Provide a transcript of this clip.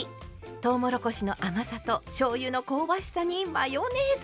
とうもろこしの甘さとしょうゆの香ばしさにマヨネーズ。